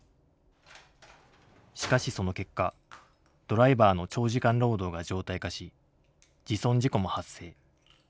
しかしその結果ドライバーの長時間労働が常態化し自損事故も発生。